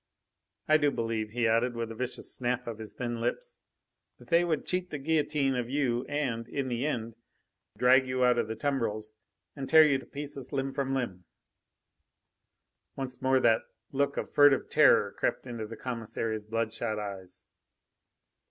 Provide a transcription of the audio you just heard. I do believe," he added, with a vicious snap of his thin lips, "that they would cheat the guillotine of you and, in the end, drag you out of the tumbrils and tear you to pieces limb from limb!" Once more that look of furtive terror crept into the commissary's bloodshot eyes.